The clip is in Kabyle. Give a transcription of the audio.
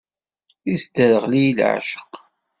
Isderɣel-iyi leεceq.